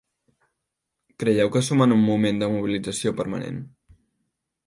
Creieu que som en un moment de mobilització permanent?